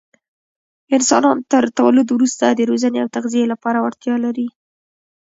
انسانان تر تولد وروسته د روزنې او تغذیې لپاره وړتیا لري.